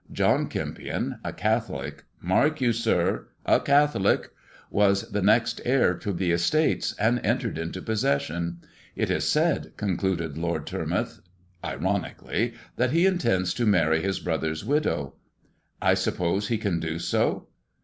John Kempion, i Catholic — mark you, sir, a Catholic — was the next heir to the estates, and entered into poesesaion. It is eaid," concluded Iiord Tormouth ironically, "that he intends to marry hia brother's widow." "I BuppoEe he can do so!"